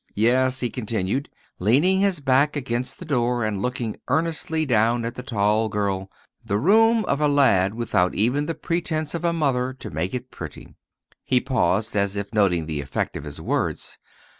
"Yes," he continued, leaning his back against the door and looking earnestly down at the tall girl; "the room of a lad without even the presence of a mother to make it pretty;" he paused as if noting the effect of his words.